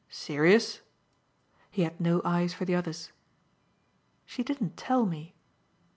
"Serious?" he had no eyes for the others. "She didn't tell me."